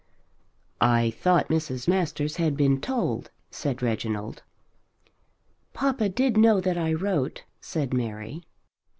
"I thought Mrs. Masters had been told," said Reginald. "Papa did know that I wrote," said Mary.